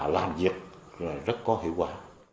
làm việc rất có hiệu quả